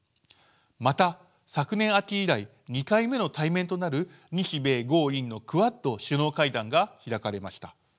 また昨年秋以来２回目の対面となる日米豪印のクアッド首脳会談が開かれました。